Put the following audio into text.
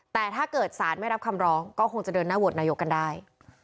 แต่ถ้าเกิดสารไม่รับคำร้องก็คงจะเดินหน้าโหวตนายกกันได้